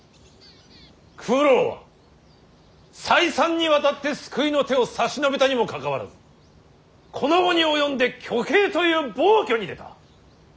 九郎は再三にわたって救いの手を差し伸べたにもかかわらずこの期に及んで挙兵という暴挙に出た。